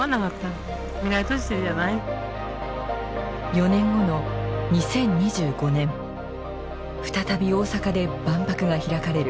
４年後の２０２５年再び大阪で万博が開かれる。